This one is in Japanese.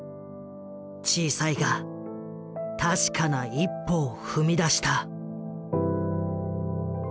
小さいが確かな一歩を踏み出した。